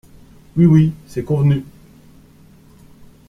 Oui, oui, c'est convenu …